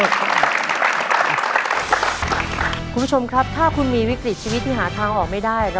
คุณผู้ชมครับถ้าคุณมีวิกฤตชีวิตที่หาทางออกไม่ได้